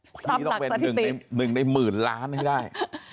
นี่เราเป็นหนึ่งในหมื่นล้านให้ได้